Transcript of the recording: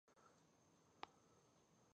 ایا زه به د نورو محتاج شم؟